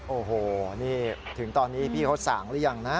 โอ้โหนี่ถึงตอนนี้พี่เขาสั่งหรือยังนะ